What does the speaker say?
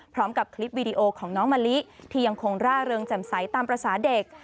พร้อมกับคลิปวีดีโอของน้องมะลิที่ยังคงร่าเริงแจ่มใสตามภาษาเด็ก